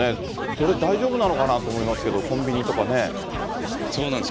それ、大丈夫なのかなと思いますそうなんです。